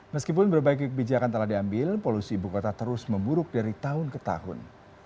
meskipun berbagai kebijakan telah diambil polusi ibu kota terus memburuk dari tahun ke tahun